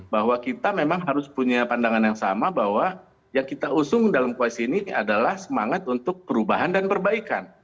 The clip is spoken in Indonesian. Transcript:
bahwa kita memang harus punya pandangan yang sama bahwa yang kita usung dalam koalisi ini adalah semangat untuk perubahan dan perbaikan